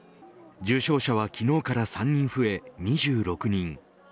重症者は昨日から３人増え２６人。